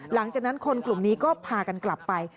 หลังจากนั้นคนกลุ่มนี้ก็พากันกลับไป